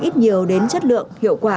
ít nhiều đến chất lượng hiệu quả